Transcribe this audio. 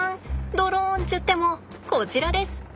ドローンっちゅってもこちらです。